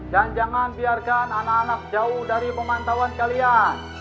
dan jangan biarkan anak anak jauh dari pemantauan kalian